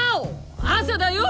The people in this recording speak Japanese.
朝だよ！